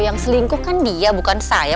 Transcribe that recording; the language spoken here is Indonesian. yang selingkuh kan dia bukan saya